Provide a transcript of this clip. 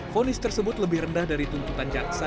fonis tersebut lebih rendah dari tuntutan jaksa